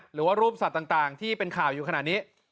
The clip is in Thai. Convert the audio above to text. หรือว่ารูปสัตว์ต่างที่เป็นข่าวอยู่ขณะนี้